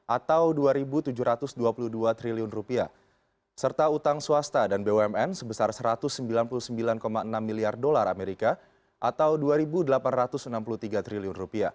atau rp dua tujuh ratus dua puluh dua triliun serta utang swasta dan bumn sebesar rp satu ratus sembilan puluh sembilan enam miliar atau rp dua delapan ratus enam puluh tiga triliun